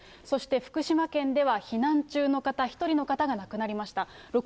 そして福島県では、避難中の方１人の方が、亡くなりました。